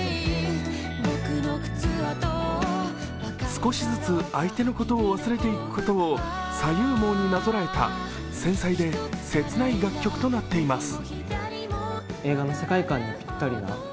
少しずつ相手のことを忘れていくことを左右盲になぞらえた繊細で切ない楽曲となっています。